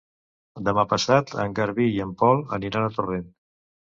Demà passat en Garbí i en Pol aniran a Torrent.